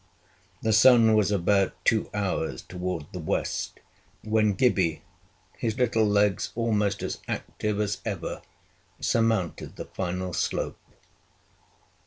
The sun was about two hours towards the west, when Gibbie, his little legs almost as active as ever, surmounted the final slope.